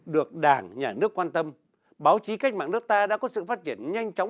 được đảng nhà nước quan tâm báo chí cách mạng nước ta đã có sự phát triển nhanh chóng